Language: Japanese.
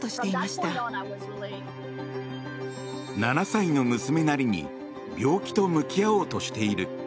７歳の娘なりに病気と向き合おうとしている。